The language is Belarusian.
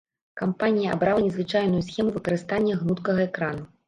Кампанія абрала незвычайную схему выкарыстання гнуткага экрана.